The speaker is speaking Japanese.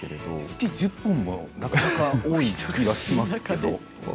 月１０本はなかなか多い気がしますけれど。